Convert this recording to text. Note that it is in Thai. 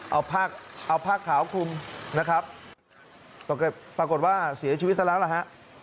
เอาภาคขาวคลุมนะครับปรากฏว่าเสียชีวิตตั้งแล้วหรือฮะ